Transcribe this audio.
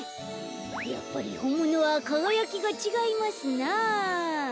やっぱりほんものはかがやきがちがいますな。